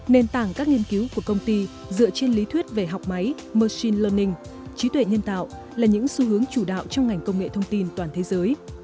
nền tảng các nghiên cứu của công ty dựa trên lý thuyết về học máy machine learning trí tuệ nhân tạo là những xu hướng chủ đạo trong ngành công nghệ thông tin toàn thế giới